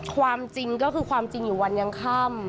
ความจริงก็คือความจริงอยู่วันยังค่ำ